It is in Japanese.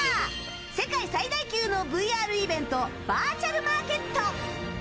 世界最大級のＶＲイベントバーチャルマーケット。